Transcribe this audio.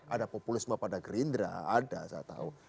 ada populisme pada gerindra ada saya tahu